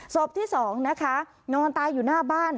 ศพที่๒นะคะนอนตายอยู่หน้าบ้าน